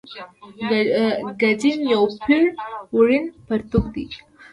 ګډین یو پېړ وړین پرتوګ دی.